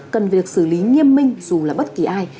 cần việc xử lý nghiêm minh dù là bất kỳ ai